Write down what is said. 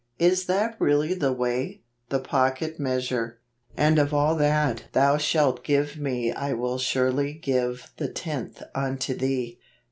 Is that really the way ? The Pocket Measure. 11 And of all that thou shalt give me I will surely give the tenth unto thee.